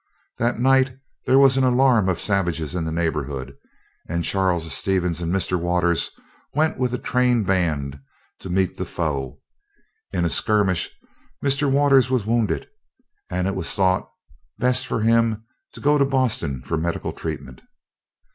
That night there was an alarm of savages in the neighborhood and Charles Stevens and Mr. Waters went with a train band to meet the foe. In a skirmish, Mr. Waters was wounded, and it was thought best for him to go to Boston for medical treatment.